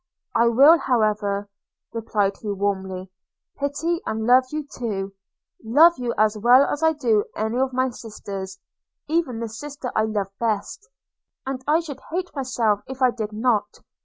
'I will, however,' replied he warmly, 'pity and love you too – love you as well as I do any of my sisters – even the sister I love best – and I should hate myself if I did not.